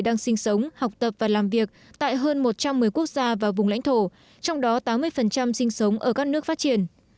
đang sinh sống học tập và làm việc tại hơn một trăm một mươi quốc gia và vùng lãnh thổ trong đó tám mươi sinh sống ở các nước phát triển